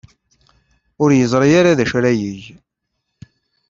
Ur yeẓri ara d acu ara yeg.